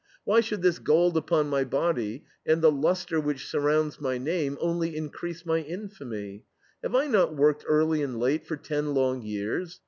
Why should this gold upon my body, and the lustre which surrounds my name, only increase my infamy? Have I not worked early and late for ten long years?